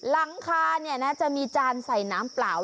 หลังคาจะมีจานใส่น้ำเปล่า